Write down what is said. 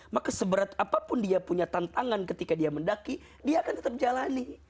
maka seberat apapun dia punya tantangan ketika dia mendaki dia akan tetap jalani